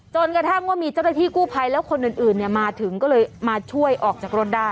จนกระทั่งว่ามีเจ้าหน้าที่กู้ภัยแล้วคนอื่นมาถึงก็เลยมาช่วยออกจากรถได้